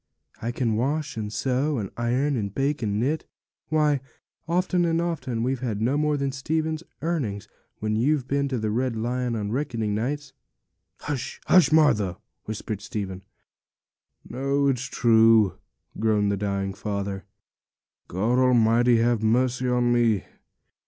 I can wash, and sew, and iron, and bake, and knit. Why, often and often we've had no more than Stephen's earnings, when you've been to the Red Lion on reckoning nights.' 'Hush, hush, Martha!' whispered Stephen. 'No, it's true,' groaned the dying father; 'God Almighty, have mercy on me!